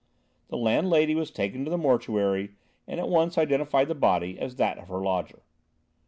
The landlady was taken to the mortuary, and at once identified the body as that of her lodger.